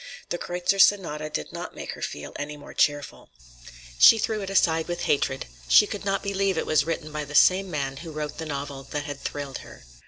"The Kreutzer Sonata" did not make her feel any more cheerful. She threw it aside with hatred. She could not believe it was written by the same man who wrote the novel that had thrilled her.